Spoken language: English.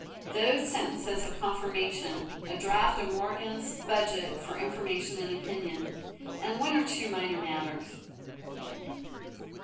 "Those sentences for confirmation, a draft of Morgon's Budget for information and opinion, and one or two minor matters."